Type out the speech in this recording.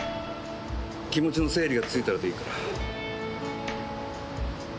気持ちの整理がついたらでいいから。